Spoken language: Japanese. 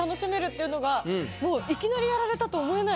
いきなりやられたと思えない。